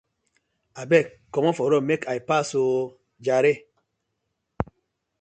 Abeg komot for road mek I pass oh jare.